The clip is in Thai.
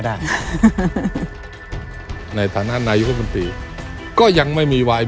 ได้ในฐาหน้านายยกบันตรีก็ยังไม่มีวายมี